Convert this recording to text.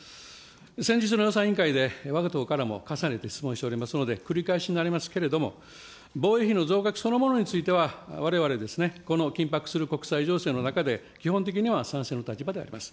先日の予算委員会で、わが党からも重ねて質問しておりますので、繰り返しになりますけれども、防衛費の増額そのものについては、われわれ、この緊迫する国際情勢の中で、基本的には賛成の立場であります。